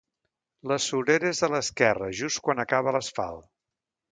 La surera és a l'esquerra, just quan acaba l'asfalt.